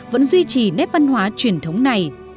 vẫn duy trì nét văn hóa truyền thống này